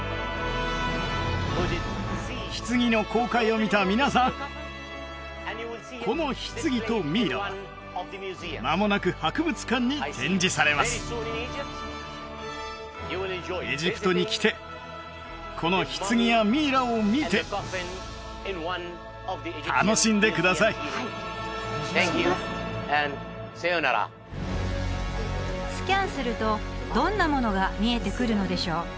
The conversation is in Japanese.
棺の公開を見た皆さんこの棺とミイラはまもなく博物館に展示されますエジプトに来てこの棺やミイラを見て楽しんでくださいサンキューアンドさようならスキャンするとどんなものが見えてくるのでしょう？